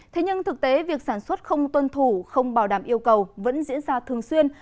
thế nhưng thực tế việc sản xuất không tuân thủ không bảo đảm yêu cầu vẫn diễn ra thường xuyên